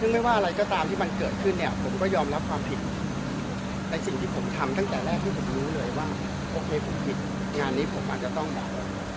ซึ่งไม่ว่าอะไรก็ตามที่มันเกิดขึ้นเนี่ยผมก็ยอมรับความผิดแต่สิ่งที่ผมทำตั้งแต่แรกที่ผมรู้เลยว่าโอเคผมผิดงานนี้ผมอาจจะต้องแบบ